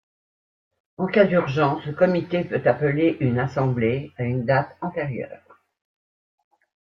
En cas d'urgence, le comité peut appeler une assemblée à une date antérieure.